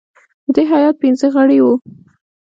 د دې هیات پنځه غړي وه.